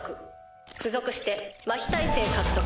付属して麻痺耐性獲得。